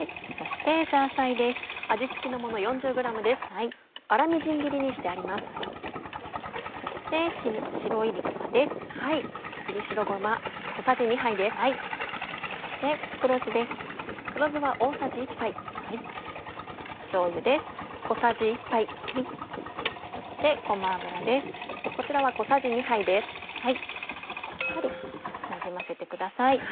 しっかりなじませてください。